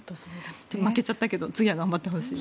負けちゃったけど次は頑張ってほしい。